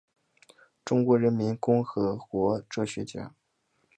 中华人民共和国哲学家。